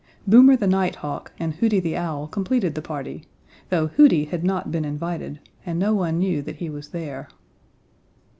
Boomer the Nighthawk and Hooty the Owl completed the party, though Hooty had not been invited and no one knew that he was there.